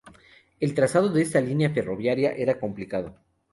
El trazado de esta línea ferroviaria era complicado.